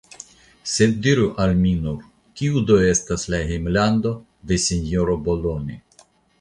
Sed diru al mi nur, kiu do estas la hejmlando de sinjoro Boloni?